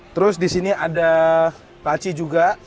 terus disini ada laci juga